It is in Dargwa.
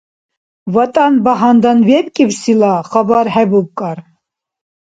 ВатӀан багьандан вебкӀибсила хабар хӀебубкӀар.